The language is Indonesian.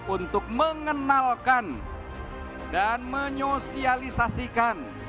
untuk mengenalkan dan menyosialisasikan